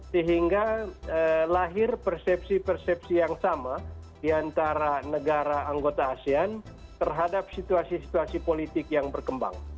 sehingga lahir persepsi persepsi yang sama diantara negara anggota asean terhadap situasi situasi politik yang berkembang